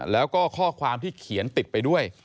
แล้วก็ข้อความที่เขียนติดไปด้วย